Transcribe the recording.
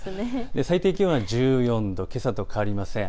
最低気温は１４度、けさと変わりません。